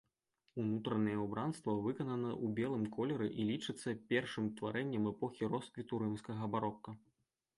Унутранае ўбранне выканана ў белым колеры і лічыцца першым тварэннем эпохі росквіту рымскага барока.